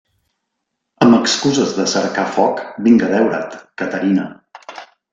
Amb excuses de cercar foc vinc a veure't, Caterina.